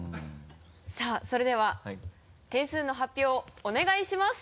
さぁそれでは点数の発表をお願いします。